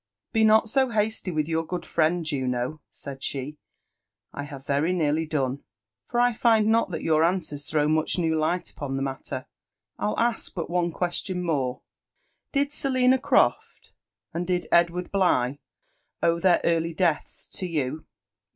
Be not so hasty with your good friend, Juno," said she; '' I have very nearly done, for I find not that yonr answers throw much new light upon the matter : *rU ask but one question more ;— Did Selina Croft and did Edward Bligh owe their early deaths to you